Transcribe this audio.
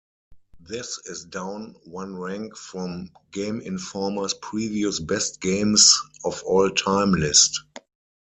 This is down one rank from "Game Informer"s previous best games of all-time list.